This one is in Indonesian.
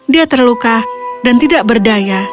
dia terluka dan tidak berdaya